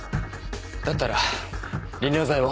だったら利尿剤を。